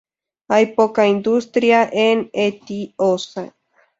Hay poca industria en Eti-Osa.